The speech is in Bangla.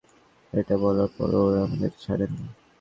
আমরা ডাকাত নই, আমরা ছাত্র, এটা বলার পরও ওঁরা আমাদের ছাড়েননি।